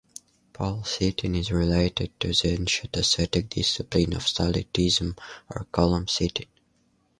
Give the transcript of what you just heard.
Pole sitting is related to the ancient ascetic discipline of stylitism, or column-sitting.